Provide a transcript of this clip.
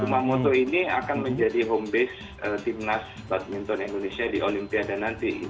dan kumamoto ini akan menjadi home base timnas badminton indonesia di olimpiada nanti